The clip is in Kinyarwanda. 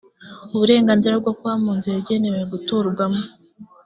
uburenganzira bwo kuba mu nzu yagenewe guturwamo